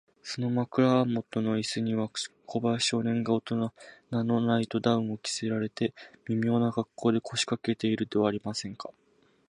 その枕もとのイスには、小林少年がおとなのナイト・ガウンを着せられて、みょうなかっこうで、こしかけているではありませんか。